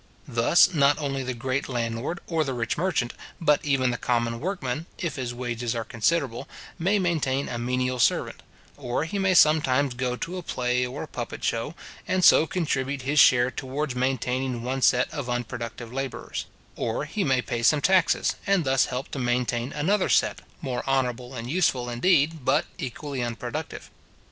Thus, not only the great landlord or the rich merchant, but even the common workman, if his wages are considerable, may maintain a menial servant; or he may sometimes go to a play or a puppet show, and so contribute his share towards maintaining one set of unproductive labourers; or he may pay some taxes, and thus help to maintain another set, more honourable and useful, indeed, but equally unproductive.